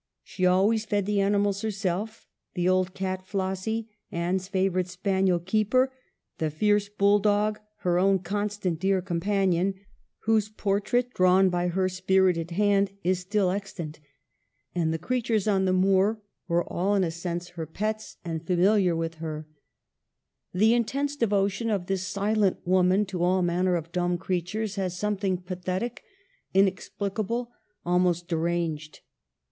She always fed the animals herself : the old cat ; Flossy, Anne's favorite spaniel ; Keeper, the fierce bulldog, her own constant, dear companion, whose portrait, drawn by her spirited hand, is still extant. And the creatures on the moor were all, in a sense, her pets and THE RECALL. 143 familiar with her. The intense devotion of this silent woman to all manner of dumb creatures has something pathetic, inexplicable, almost de ranged.